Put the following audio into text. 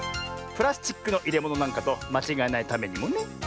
プラスチックのいれものなんかとまちがえないためにもね。